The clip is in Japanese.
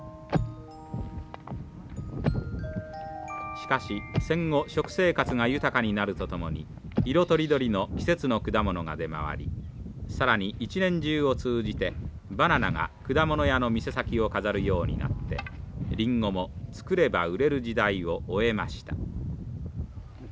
しかし戦後食生活が豊かになるとともに色とりどりの季節の果物が出回り更に一年中を通じてバナナが果物屋の店先を飾るようになってリンゴも作れば売れる時代を終えました。